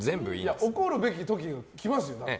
怒るべき時が来ますよ。